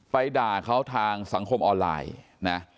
ด่าเขาทางสังคมออนไลน์นะ